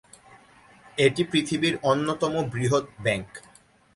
এটি পৃথিবীর অন্যতম বৃহৎ ব্যাংক।